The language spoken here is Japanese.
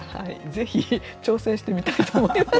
ぜひ挑戦してみたいと思います。